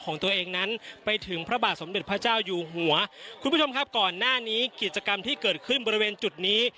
คุณผู้ชมครับก่อนหน้านี้กิจกรรมที่เกิดขึ้นบริเวณจุดนี้